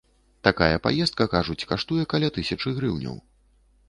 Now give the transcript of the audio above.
Такая паездка, кажуць, каштуе каля тысячы грыўняў.